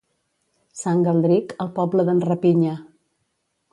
Sant Galdric, el poble d'en Rapinya.